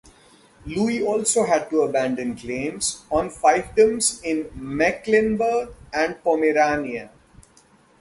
Louis also had to abandon claims on fiefdoms in Mecklenburg and Pomerania.